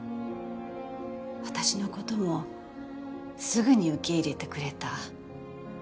私のこともすぐに受け入れてくれた。